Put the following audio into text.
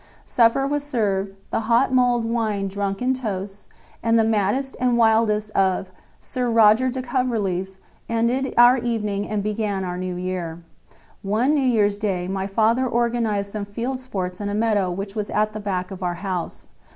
Supper was served, the hot mulled wine drunk in toasts, and the maddest and wildest of "Sir Roger de Coverlys" ended our evening and began our New Year. One New year's day my father organized some field sports in a meadow which was at the back of our house.